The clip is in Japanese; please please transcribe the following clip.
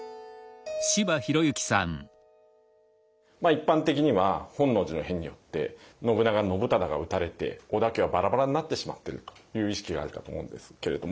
一般的には本能寺の変によって信長信忠が討たれて織田家はバラバラになってしまってるという意識があるかと思うんですけれども。